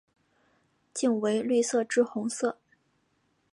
茎为绿色至红色。